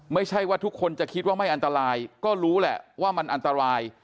ไม่ใช่ว่าทุกคนจะคิดว่าไม่อันตรายก็รู้แหละว่ามันอันตราย